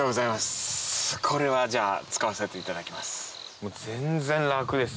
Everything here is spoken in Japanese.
これはじゃあ使わせていただきます。